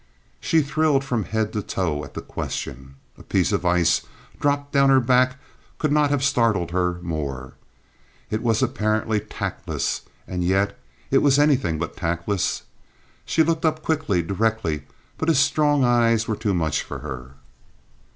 She thrilled from head to toe at the question. A piece of ice dropped down her back could not have startled her more. It was apparently tactless, and yet it was anything but tactless. She looked up quickly, directly, but his strong eyes were too much for her.